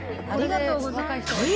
ありがとうございます。